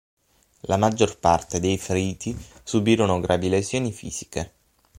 La maggior parte dei feriti subirono gravi lesioni fisiche.